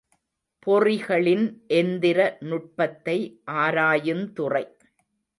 பொறிகளின் எந்திர நுட்பத்தை ஆராயுந்துறை.